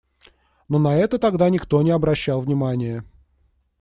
Но на это тогда никто не обращал внимание.